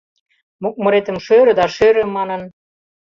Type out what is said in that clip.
«Мокмыретым шӧрӧ да шӧрӧ!» — манын...